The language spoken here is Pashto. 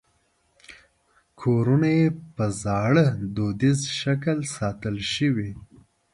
کورونه یې په زاړه دودیز شکل ساتل شوي.